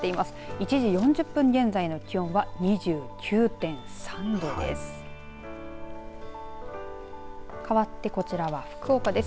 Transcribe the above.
１時４０分現在の気温は２９．３度です。